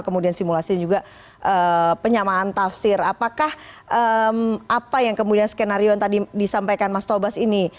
kemudian simulasi juga penyamaan tafsir apakah apa yang kemudian skenario yang tadi disampaikan mas tobas ini